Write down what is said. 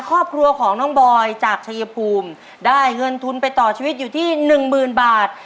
ครอบครัวของน้องบอยจากชายภูมิได้เงินทุนไปต่อชีวิตอยู่ที่หนึ่งหมื่นบาท